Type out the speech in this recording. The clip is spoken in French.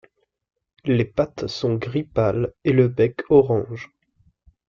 Les pattes sont gris pâle et le bec orange.